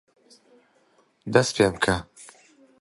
بە ناوی عەبدولواحید، زۆر دڵگەرم لە کوردایەتیدا